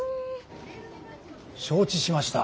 承知しました。